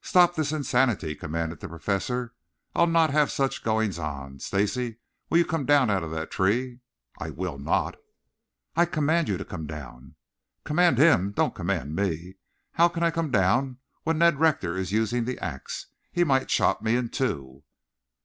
"Stop this instantly!" commanded the Professor. "I'll not have such goings on. Stacy, will you come down out of that tree?" "I will not." "I command you to come down." "Command him. Don't command me. How can I come down when Ned Rector is using the axe? He might chop me in two."